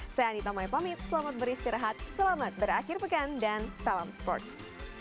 saya anita maipamit selamat beristirahat selamat berakhir pekan dan salam sports